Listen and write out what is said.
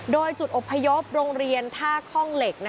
โดยจุดอบพยพโรงเรียนท่าคล่องเหล็ก